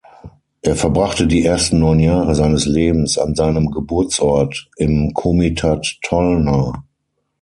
Er verbrachte die ersten neun Jahre seines Lebens an seinem Geburtsort im Komitat Tolna.